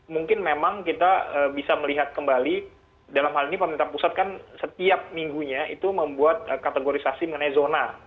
mungkin memang kita bisa melihat kembali dalam hal ini pemerintah pusat kan setiap minggunya itu membuat kategorisasi mengenai zona